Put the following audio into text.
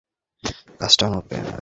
তোমার কাজটা অনুপ্রেরণাদায়ক।